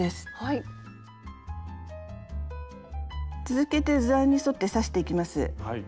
続けて図案に沿って刺していきます。